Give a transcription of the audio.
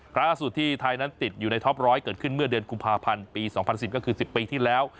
ล่าสุดที่ไทยนั้นติดอยู่ในท็อปร้อยเกิดขึ้นเมื่อเดือนกุมภาพันธ์ปี๒๐๑๐ก็คือ๑๐ปีที่แล้ว